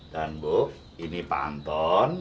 dan bu ini pak anton